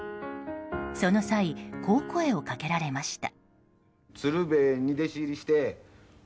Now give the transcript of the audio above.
その際こう声をかけられました。